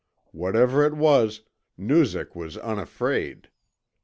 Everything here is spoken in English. Whatever it was, Noozak was unafraid.